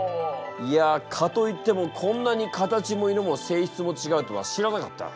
いや蚊といってもこんなに形も色も性質もちがうとは知らなかった。